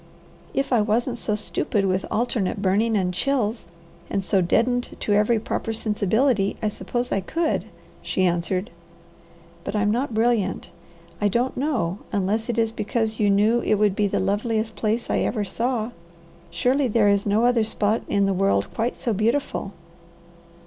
"If I wasn't so stupid with alternate burning and chills, and so deadened to every proper sensibility, I suppose I could," she answered, "but I'm not brilliant. I don't know, unless it is because you knew it would be the loveliest place I ever saw. Surely there is no other spot in the world quite so beautiful."